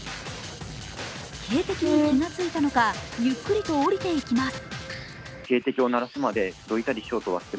警笛に気がついたのか、ゆっくりと降りていきます。